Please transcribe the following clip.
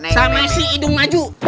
sama si idung maju